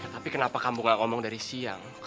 tapi kenapa kamu gak ngomong dari siang